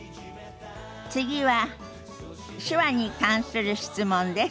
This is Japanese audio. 次は手話に関する質問です。